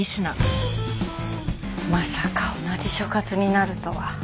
まさか同じ所轄になるとは。